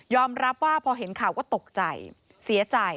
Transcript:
ยอมรับว่าพอเห็นข่าวก็ตกใจ